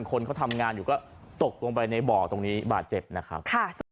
คนเขาทำงานอยู่ก็ตกลงไปในบ่อตรงนี้บาดเจ็บนะครับ